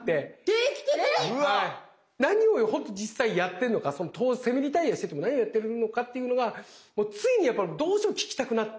定期的に⁉何をほんと実際やってんのかセミリタイアしてても何をやってるのかっていうのがついにどうしても聞きたくなって。